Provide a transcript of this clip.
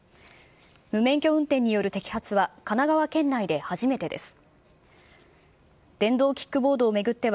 無免許運転による摘発は、神奈川県内で初めてです。